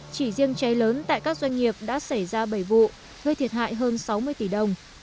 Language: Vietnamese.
chỉ riêng cháy lớn tại các doanh nghiệp đã xảy ra bảy vụ gây thiệt hại hơn sáu mươi tỷ đồng